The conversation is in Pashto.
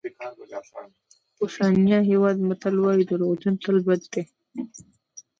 بوسوانیا هېواد متل وایي دروغجن تل بد دي.